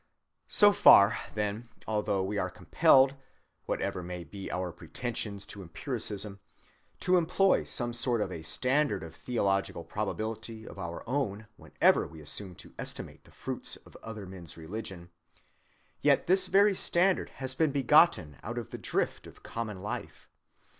So far, then, although we are compelled, whatever may be our pretensions to empiricism, to employ some sort of a standard of theological probability of our own whenever we assume to estimate the fruits of other men's religion, yet this very standard has been begotten out of the drift of common life.